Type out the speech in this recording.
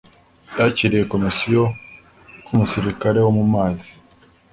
Yakiriye komisiyo nk'umusirikare wo mu mazi.